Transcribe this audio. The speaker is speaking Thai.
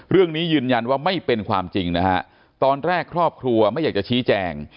เรื่องนี้ยืนยันว่าไม่เป็นความจริงนะฮะตอนแรกครอบครัวไม่อยากจะชี้แจง